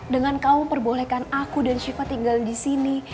dengan kamu perbolehkan aku dan syifa tinggal di sini